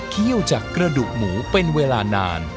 เคี่ยวจากกระดูกหมูเป็นเวลานาน